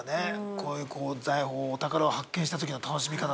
こういう財宝お宝を発見した時の楽しみ方って。